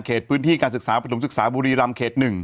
พื้นที่การศึกษาประถมศึกษาบุรีรำเขต๑